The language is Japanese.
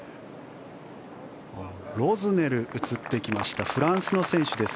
ロズネル、映ってきましたフランスの選手です。